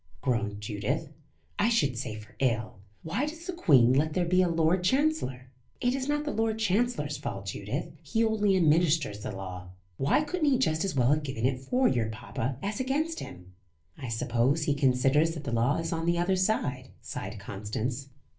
groaned Judith; "I should say for ill. Why does the Queen let there be a Lord Chancellor?" "It is not the Lord Chancellor's fault, Judith. He only administers the law." "Why couldn't he just as well have given it for your papa, as against him?" "I suppose he considers that the law is on the other side," sighed Constance.